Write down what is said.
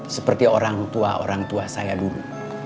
seperti orang tua orang tua saya dulu